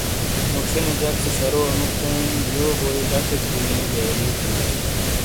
موچھینے جک سے شرو انو کھین یو بوئی لـچیک گینی بیئلی تھینالے۔